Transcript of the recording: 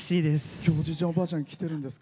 今日おじいちゃんおばあちゃん、来てるんですか？